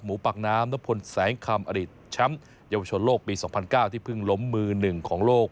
หมูปากน้ำนพลแสงคำอดิษฐ์ช้ำเยาวชนโลกปีสองพันเก้าที่พึ่งล้มมือหนึ่งของโลก